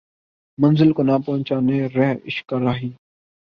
منزل کو نہ پہچانے رہ عشق کا راہی